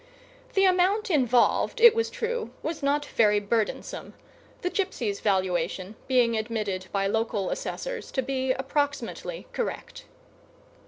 The amount involved, it was true, was not very burdensome, the gipsy's valuation being admitted by local assessors to be approximately correct.